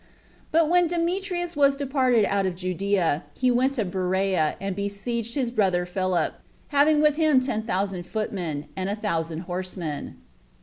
3. But when Demetrius was departed out of Judea, he went to Berea, and besieged his brother Philip, having with him ten thousand footmen, and a thousand horsemen.